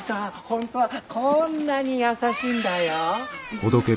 本当はこんなに優しいんだよ。